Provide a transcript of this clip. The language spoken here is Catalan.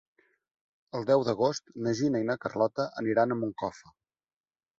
El deu d'agost na Gina i na Carlota aniran a Moncofa.